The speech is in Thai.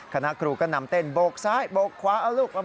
คณะครูก็นำเต้นบกซ้ายบกขวาอ้าวลูกนี่